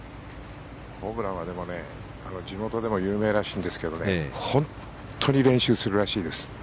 ホブランは地元でも有名らしいんですけど本当に練習するらしいです。